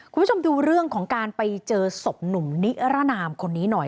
คุณผู้ชมดูเรื่องของการไปเจอศพหนุ่มนิรนามคนนี้หน่อย